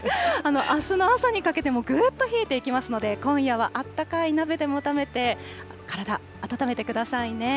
あすの朝にかけてもぐっと冷えていきますので、今夜はあったかい鍋でも食べて、体温めてくださいね。